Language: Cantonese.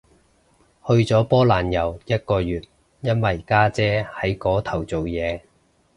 去咗波蘭遊一個月，因為家姐喺嗰頭做嘢